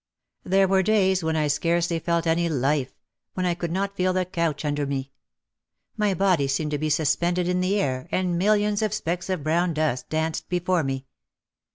There were days when I scarcely felt any life, when I could not feel the couch under me. My body seemed to be sus pended in the air and millions of specks of brown dust danced before me.